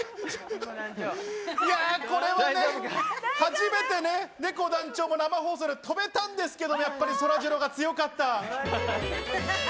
これは、初めてねこ団長も生放送で跳べたんですけど、やっぱりそらジローが強かった。